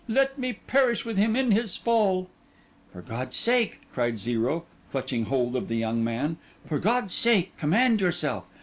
Let me perish with him in his fall!' 'For God's sake,' cried Zero, clutching hold of the young man, 'for God's sake command yourself!